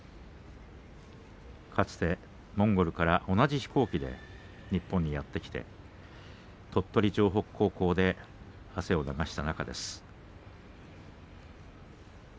かつてモンゴルから同じ飛行機で日本にやって来て鳥取城北高校で汗を流した仲です。